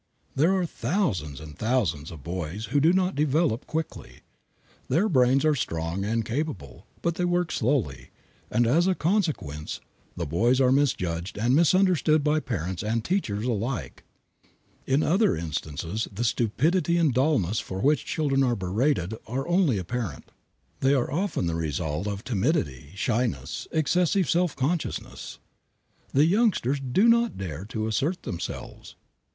There are thousands and thousands of boys who do not develop quickly. Their brains are strong and capable, but they work slowly, and as a consequence the boys are misjudged and misunderstood by parents and teachers alike. In other instances the stupidity and dullness for which children are berated are only apparent. They are often the result of timidity, shyness, excessive self consciousness. The youngsters do not dare to assert themselves.